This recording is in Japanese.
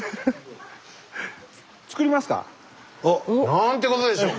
なんてことでしょう